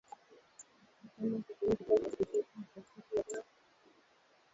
Uganda kubuni kifaa cha kudhibiti uchafuzi wa hewa